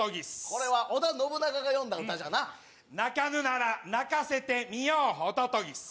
これは織田信長が詠んだ歌じゃな鳴かぬなら鳴かせてみようホトトギス